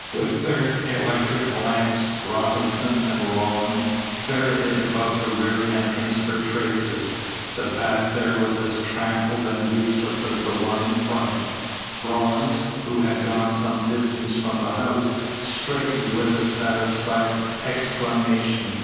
With their electric lamps Robinson and Rawlins ferreted about the rear entrance for traces. The path there was as trampled and useless as the one in front. Rawlins, who had gone some distance from the house, straightened with a satisfied exclamation.